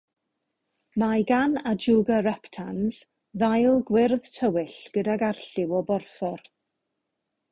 Mae gan "ajuga reptans " ddail gwyrdd tywyll gydag arlliw o borffor.